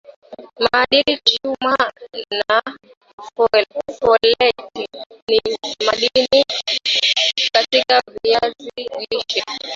madini chuma na foleti ni madini katika viazi lishe